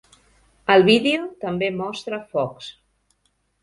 El vídeo també mostra Fox.